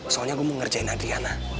soalnya aku mau ngerjain adriana